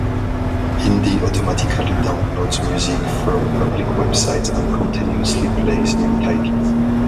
Indy automatically downloads music from public websites and continuously plays new titles.